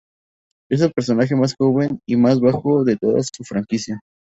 Es el personaje más joven y más bajo de toda su franquicia.